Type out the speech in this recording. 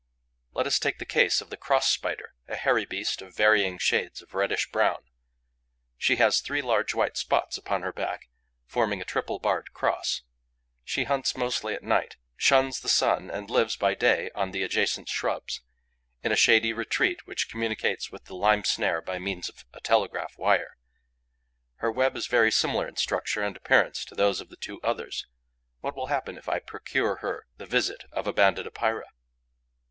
Let us next take the case of the Cross Spider, a hairy beast of varying shades of reddish brown. She has three large white spots upon her back, forming a triple barred cross. She hunts mostly at night, shuns the sun and lives by day on the adjacent shrubs, in a shady retreat which communicates with the lime snare by means of a telegraph wire. Her web is very similar in structure and appearance to those of the two others. What will happen if I procure her the visit of a Banded Epeira?